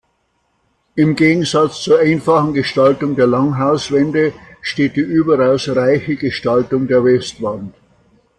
Im Gegensatz zur einfachen Gestaltung der Langhauswände steht die überaus reiche Gestaltung der Westwand.